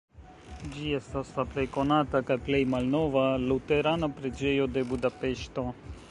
Ĝi estas la plej konata kaj plej malnova luterana preĝejo de Budapeŝto.